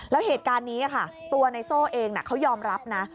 แล้วเหตุการณ์นี้ค่ะตัวในโซ่เองเขายอมรับนะ